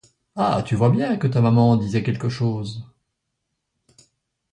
Ah ! tu vois bien que ta maman disait quelque chose.